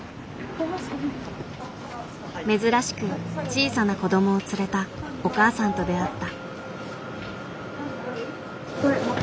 珍しく小さな子供を連れたお母さんと出会った。